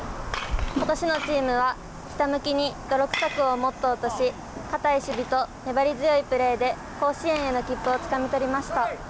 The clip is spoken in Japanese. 今年のチームはひたむきに泥臭くをモットーとし堅い守備と粘り強いプレーで甲子園への切符をつかみ取りました。